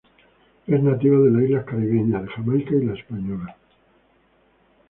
Es nativa de las islas caribeñas de Jamaica y La Española.